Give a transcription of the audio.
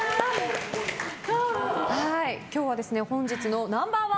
今日は本日のナンバー１